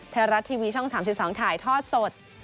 ไทยรัฐทีวีช่อง๓๒ถ่ายทอดสด